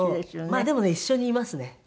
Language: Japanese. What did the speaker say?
まあでもね一緒にいますね。